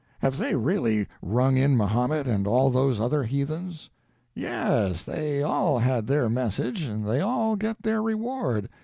"Have they really rung in Mahomet and all those other heathens?" "Yes—they all had their message, and they all get their reward.